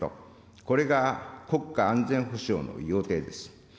これが国家安全保障の要諦です。